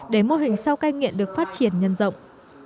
để mô hình sau cai nghiện được phát triển nhân rộng